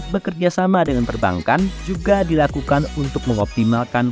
bekerja sama dengan perbankan juga dilakukan untuk mengoptimalkan